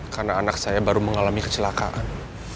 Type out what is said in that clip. karena anak saya baru mengalami kecelakaan